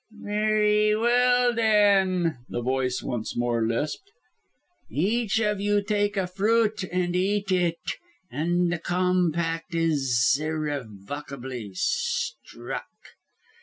"Very well then," the voice once more lisped. "Each of you take a fruit and eat it, and the compact is irrevocably struck.